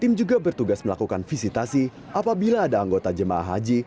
tim juga bertugas melakukan visitasi apabila ada anggota jemaah haji